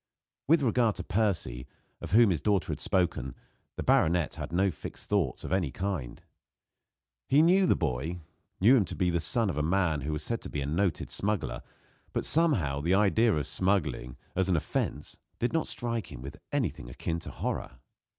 With regard to Percy, of whom his daughter had spoken, the baronet had no fixed thoughts of any kind. He knew the boy knew him to be the son of a man who was said to be a noted smuggler; but, somehow, the idea of smuggling, as an offence, did not strike him with anything akin to horror.